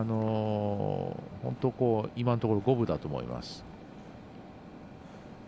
本当、今のところ五分だと思います。